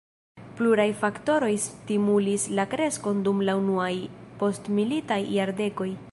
Pluraj faktoroj stimulis la kreskon dum la unuaj postmilitaj jardekoj.